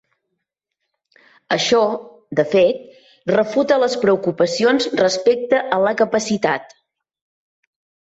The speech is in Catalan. Això, de fet, refuta les preocupacions respecte a la capacitat.